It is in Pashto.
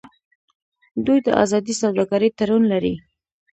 دوی د ازادې سوداګرۍ تړون لري.